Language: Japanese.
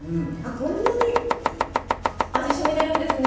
こんなに味がしみているんですね。